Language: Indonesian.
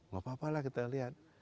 gak apa apalah kita lihat